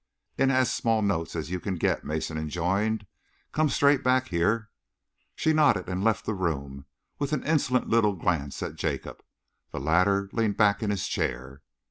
"In as small notes as you can get," Mason enjoined. "Come straight back here." She nodded and left the room, with an insolent little glance at Jacob. The latter leaned back in his chair.